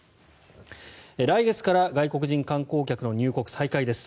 来月から外国人観光客の入国再開です。